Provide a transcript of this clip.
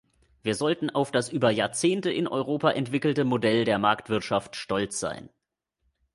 Wir sollten auf das über Jahrzehnte in Europa entwickelte Modell der Marktwirtschaft stolz sein.